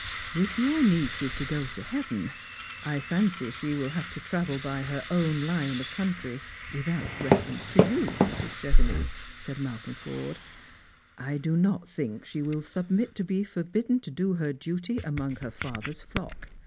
" If your niece is to go to heaven, I fancy she will have to travel by her own line of country, without reference to you. Mrs. Chevenix," said Malcolm Forde. " I do not think she will submit to be forljidden to do her duty among her father's flock.